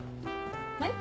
はい？